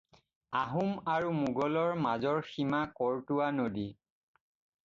আহোম আৰু মোগলৰ মাজৰ সীমা কৰতোৱা নদী।